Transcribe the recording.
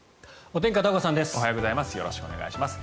おはようございます。